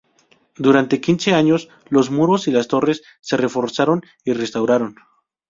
Durante quince años, los muros y las torres se reforzaron y restauraron.